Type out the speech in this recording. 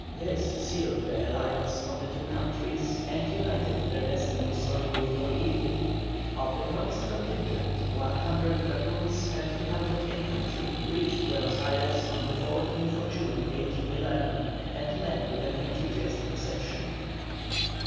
This sealed the alliance of the two countries and united their destinies for good or evil. Of the promised contingent, 100 dragoons and 200 infantry reached Buenos Ayres on the 14th June, 1811, and met with an enthusiastic reception.